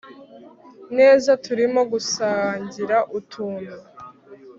neza turimo gusangira utuntu